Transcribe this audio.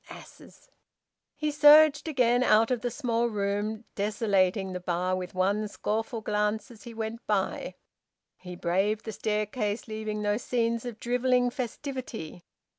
... Asses! He surged again out of the small room, desolating the bar with one scornful glance as he went by. He braved the staircase, leaving those scenes of drivelling festivity.